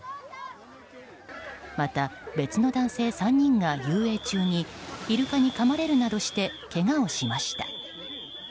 また、別の男性３人が遊泳中にイルカにかまれるなどしてけがをしました。